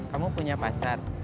kamu punya pacar